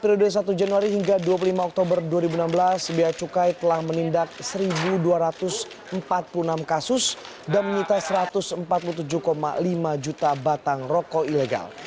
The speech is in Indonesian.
periode satu januari hingga dua puluh lima oktober dua ribu enam belas beacukai telah menindak satu dua ratus empat puluh enam kasus dan menyita satu ratus empat puluh tujuh lima juta batang rokok ilegal